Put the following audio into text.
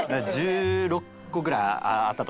１６個ぐらいあったと思います。